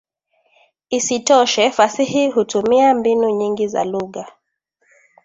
Isitoshe, fasihi hutumia mbinu nyingi za lugha.